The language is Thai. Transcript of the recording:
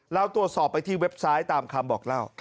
เราตรวจสอบไปที่เว็บไซต์ตามคำบอกเล่า